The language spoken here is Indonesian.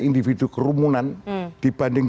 individu kerumunan dibanding